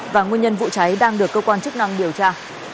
và nguyên nhân vụ cháy đang được cơ quan chức năng điều tra